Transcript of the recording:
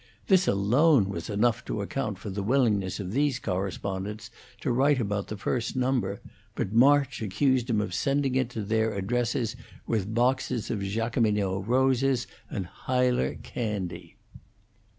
This alone was enough to account for the willingness of these correspondents to write about the first number, but March accused him of sending it to their addresses with boxes of Jacqueminot roses and Huyler candy.